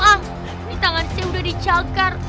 ah ini tangan saya udah dicakar